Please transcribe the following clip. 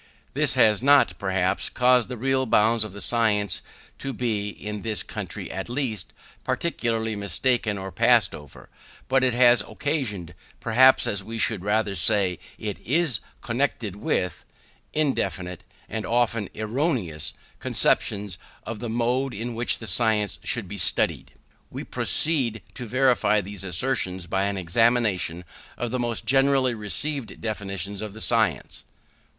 This has not, perhaps, caused the real bounds of the science to be, in this country at least, practically mistaken or overpassed; but it has occasioned perhaps we should rather say it is connected with indefinite, and often erroneous, conceptions of the mode in which the science should be studied. We proceed to verify these assertions by an examination of the most generally received definitions of the science.